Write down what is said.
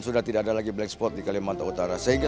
sudah tidak ada lagi black spot di kalimantan utara